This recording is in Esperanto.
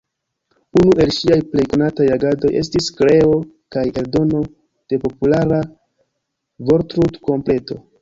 Unu el ŝiaj plej konataj agadoj estis kreo kaj eldono de populara vortlud-kompleto.